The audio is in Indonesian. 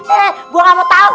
eh gue gak mau tahu